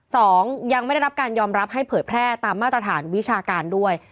สองยังไม่ได้รับการยอมรับให้เผยแพร่ตามมาตรฐานวิชาการด้วย